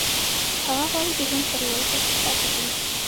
هغه غواړي د هند پر لور پرمختګ وکړي.